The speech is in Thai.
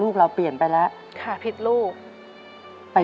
ขอเอ็กซาเรย์แล้วก็เจาะไข่ที่สันหลังค่ะ